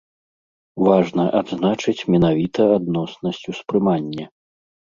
Важна адзначыць менавіта адноснасць успрымання.